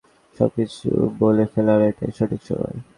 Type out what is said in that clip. আচ্ছা, মনে হয় খোলাখুলিভাবে সবকিছু বলে ফেলার এটাই সঠিক সময়।